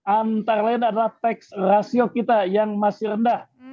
antara lain adalah tax ratio kita yang masih rendah